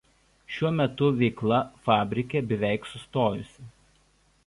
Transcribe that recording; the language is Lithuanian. Šiuo metu veikla fabrike beveik sustojusi.